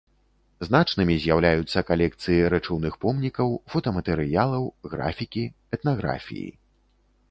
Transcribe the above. Значнымі з'яўляюцца калекцыі рэчыўных помнікаў, фотаматэрыялаў, графікі, этнаграфіі.